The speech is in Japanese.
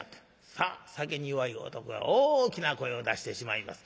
さあ酒に弱い男が大きな声を出してしまいます。